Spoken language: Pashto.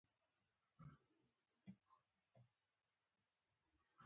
بیا ووایاست